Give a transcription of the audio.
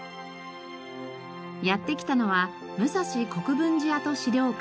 やって来たのは武蔵国分寺跡資料館。